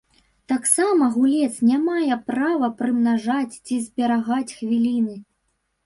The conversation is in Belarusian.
Таксама гулец не мае права прымнажаць ці зберагаць хвіліны.